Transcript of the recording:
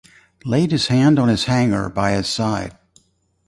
Laid his hand on his Hanger by his side.